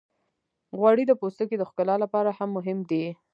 غوړې د پوستکي د ښکلا لپاره هم مهمې دي.